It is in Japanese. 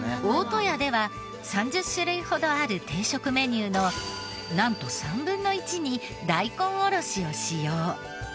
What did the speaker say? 大戸屋では３０種類ほどある定食メニューのなんと３分の１に大根おろしを使用。